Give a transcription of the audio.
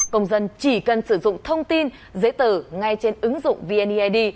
công dân chỉ cần sử dụng thông tin giấy tờ ngay trên ứng dụng vneid